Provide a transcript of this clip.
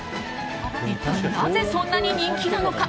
一体なぜそんなに人気なのか。